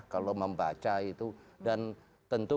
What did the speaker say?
kalau membaca itu dan tentu